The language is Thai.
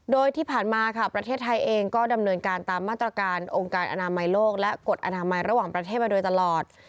โดยที่ผ่านมาค่ะประเทศไทยเองก็ดำเนินการตามมาตรการองค์การอนามัยโลกและกฎอนามัยระหว่างประเทศมาโดยตลอด